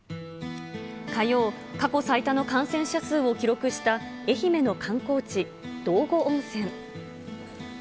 火曜、過去最多の感染者数を記録した愛媛の観光地、道後温泉。